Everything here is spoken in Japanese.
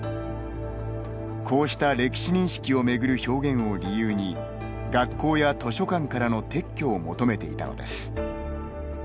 こうした歴史認識を巡る表現を理由に学校や図書館からの撤去を求めていたのです。